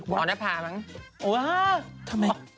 คือน่ารัก